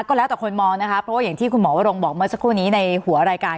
ก็แล้วแต่คนมองนะคะเพราะว่าอย่างที่คุณหมอวรงบอกเมื่อสักครู่นี้ในหัวรายการ